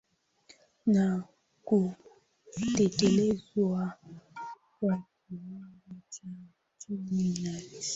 na kutekelezwa kwa kiwango cha chini na jinsi